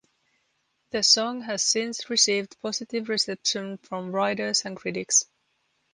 The song has since received positive reception from writers and critics.